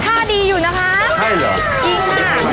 เฮ้ยค่าดีอยู่นะคะ